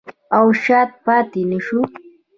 او شاته پاتې نشو.